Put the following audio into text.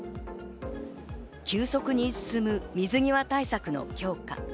急速に進む水際対策の強化。